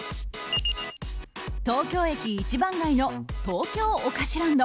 東京駅一番街の東京おかしランド